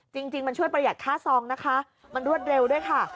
จริงมันช่วยประหยัดค่าซองนะคะมันรวดเร็วด้วยค่ะ